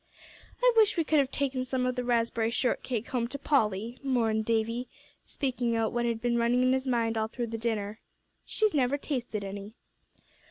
"I wish we could have taken some of the raspberry shortcake home to Polly," mourned Davie, speaking out what had been running in his mind all through the dinner. "She's never tasted any."